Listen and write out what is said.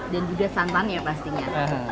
dan juga santannya pastinya